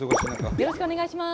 よろしくお願いします。